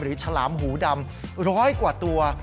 ฉลามหูดำร้อยกว่าตัว